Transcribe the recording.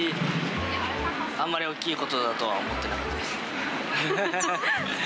あんまり大きいことだとは思ってなかったです。